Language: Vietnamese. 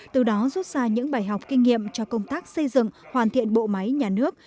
từ đó rút ra những bài học kinh nghiệm cho công tác xây dựng hoàn thiện bộ máy nhà nước